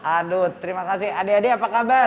aduh terima kasih adik adik apa kabar